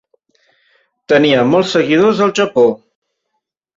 Tenia molts seguidors al Japó.